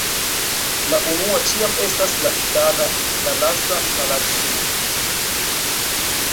La unua ĉiam estas la itala, la lasta la latina.